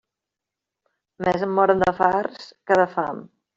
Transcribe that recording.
Més en moren de farts que de fam.